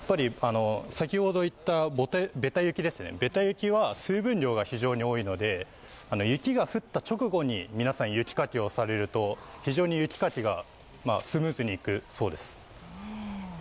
ベタ雪は水分量が非常に多いので雪が降った直後に皆さん雪かきをされると、非常に雪かきがスムーズにいくそうです。